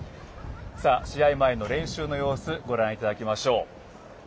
試合前の練習の様子ご覧いただきましょう。